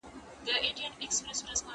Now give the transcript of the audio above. حساب او کتاب حق دی.